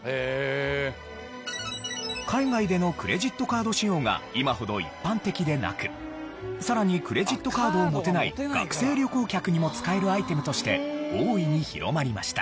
海外でのクレジットカード使用が今ほど一般的でなくさらにクレジットカードを持てない学生旅行客にも使えるアイテムとして大いに広まりました。